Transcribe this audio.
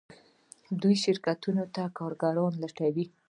دوی شرکتونو ته کارګران لټوي.